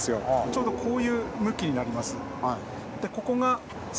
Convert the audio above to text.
ちょうどこういう向きになります。